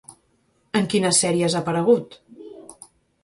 En quines sèries ha aparegut?